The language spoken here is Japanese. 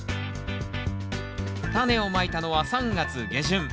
タネをまいたのは３月下旬。